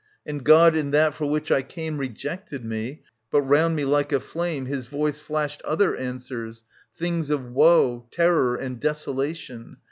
And God in that for which I came Rejected me, but round me, like a flame. His voice flashed other answers, things of woe, Terror, and desolation.